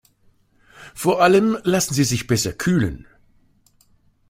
Vor allem lassen sie sich besser kühlen.